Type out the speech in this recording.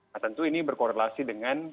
nah tentu ini berkorelasi dengan